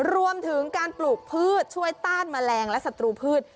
รวมถึงการปลูกพืชช่วยต้านแมลงและศัตรูพืช